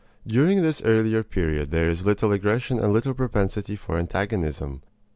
During this earlier period there is little aggression and little propensity for antagonism.